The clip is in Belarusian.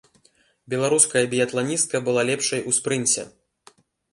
Беларуская біятланістка была лепшай ў спрынце.